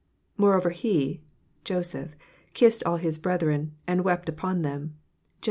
Moreover he [Joseph] kissed all his brethren, and wept upon them. Gen.